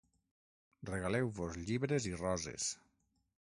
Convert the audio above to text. Regaleu-vos llibres i roses.